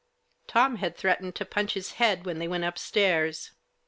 Tom had threatened to punch his head when they went upstairs.